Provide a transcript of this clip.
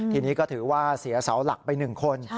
ทีนี้ก็ถือว่าเสียเสาหลักไป๑คน